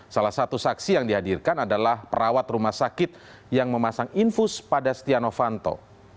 salah satu saksi yang dihadirkan adalah perawat rumah sakit yang memasang infus pada setia novanto